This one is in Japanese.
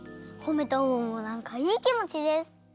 ほめたほうもなんかいいきもちです！